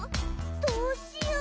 どうしよう。